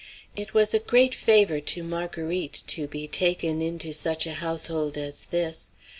It was a great favor to Marguerite to be taken into such a household as this.